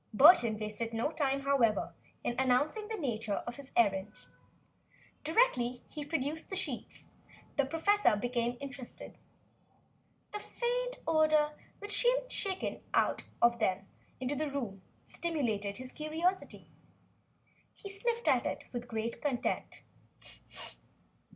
Burton wasted no time, however, in announcing the nature of his errand. Directly he produced the sheets, the professor became interested. The faint odor which seemed shaken out from them into the room stimulated his curiosity. He sniffed at it with great content.